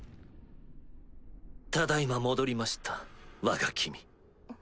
ただ今戻りましたわが君。